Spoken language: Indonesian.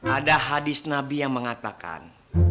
ada hadis nabi yang mengatakan